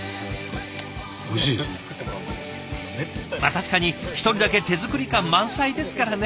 確かに一人だけ手作り感満載ですからね。